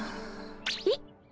えっ。